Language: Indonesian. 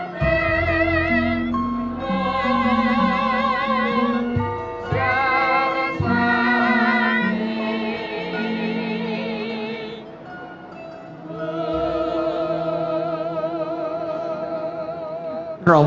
ingkang jatuh suami